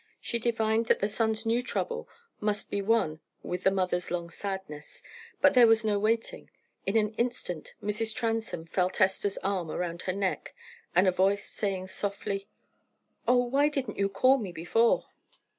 She divined that the son's new trouble must be one with the mother's long sadness. But there was no waiting. In an instant Mrs. Transome felt Esther's arm round her neck, and a voice saying softly "Oh, why didn't you call me before?"